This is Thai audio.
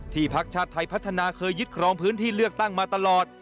ภักดิ์ชาติไทยพัฒนาเคยยึดครองพื้นที่เลือกตั้งมาตลอด